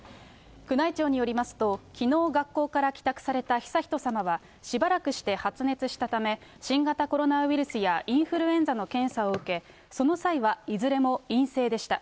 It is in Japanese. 宮内庁によりますと、きのう、学校から帰宅された悠仁さまは、しばらくして発熱したため、新型コロナウイルスやインフルエンザの検査を受け、その際はいずれも陰性でした。